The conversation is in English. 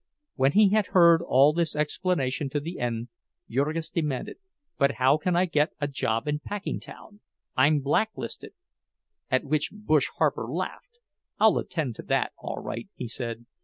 When he had heard all this explanation to the end, Jurgis demanded: "But how can I get a job in Packingtown? I'm blacklisted." At which "Bush" Harper laughed. "I'll attend to that all right," he said.